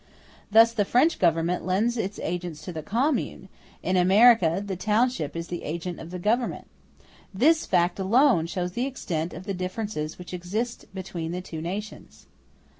Thus the French Government lends its agents to the commune; in America the township is the agent of the Government. This fact alone shows the extent of the differences which exist between the two nations.